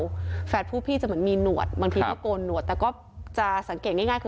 แล้วแฝดผู้พี่จะเหมือนมีหนวดบางทีก็โกนหนวดแต่ก็จะสังเกตง่ายคือ